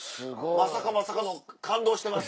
まさかまさかの感動してます。